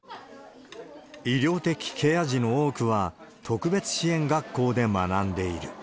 医療的ケア児の多くは特別支援学校で学んでいる。